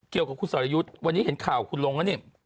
เกี่ยวกับคุณสรยุทธ์วันนี้เห็นข่าวคุณลงแล้วนี่